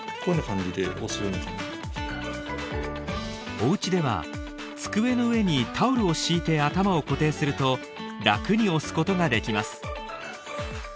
お家では机の上にタオルを敷いて頭を固定するとラクに押すことができます。